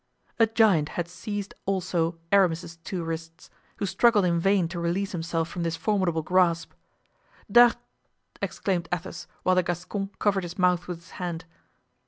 A giant had seized also Aramis's two wrists, who struggled in vain to release himself from this formidable grasp. "D'Art——" exclaimed Athos, whilst the Gascon covered his mouth with his hand.